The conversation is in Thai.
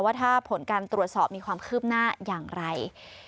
ว่าถ้าผลการตรวจสอบมีความคืบหน้าอย่างไร